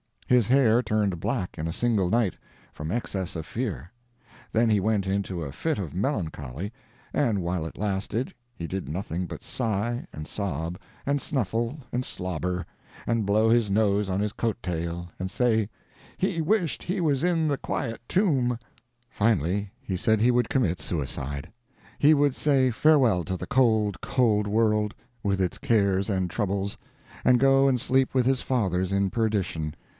His hair turned black in a single night, from excess of fear; then he went into a fit of melancholy, and while it lasted he did nothing but sigh, and sob, and snuffle, and slobber, and blow his nose on his coat tail, and say "he wished he was in the quiet tomb"; finally, he said he would commit suicide—he would say farewell to the cold, cold world, with its cares and troubles, and go and sleep with his fathers, in perdition.